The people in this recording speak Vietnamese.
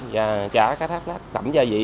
và chả cá thác lát tẩm gia vị